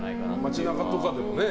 街中とかでもね。